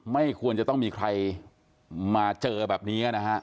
ไม่ควรจะต้องมีใครมาเจอแบบนี้นะฮะ